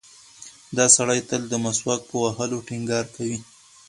دا سړی تل د مسواک په وهلو ټینګار کوي.